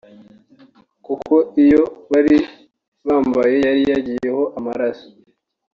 kuko iyo bari bambaye yari yagiyeho amaraso